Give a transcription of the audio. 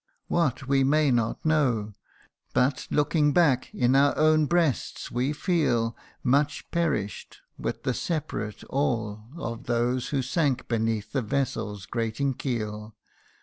what, we may not know ; But, looking back, in our own breasts we feel Much perish'd, with the separate all of those Who sank beneath that vessel's grating keel.